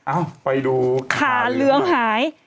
เอ้าไปดูขาเหลืองหาย